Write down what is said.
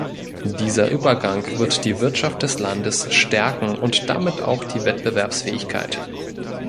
Dieser Übergang wird die Wirtschaft des Landes stärken und damit auch die Wettbewerbsfähigkeit.